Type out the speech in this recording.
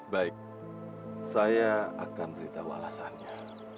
baik saya akan beritahu alasannya